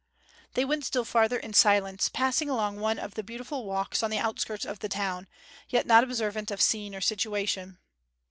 They went still farther in silence passing along one of the beautiful walks on the outskirts of the town, yet not observant of scene or situation.